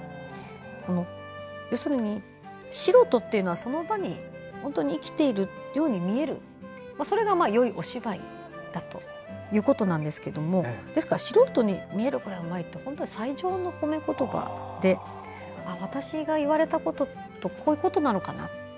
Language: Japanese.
要するに素人というのはその場に生きているように見えるそれがよいお芝居だということで素人に見えるからうまいって本当は最上のほめ言葉で私が言われたことってこういうことなのかなと。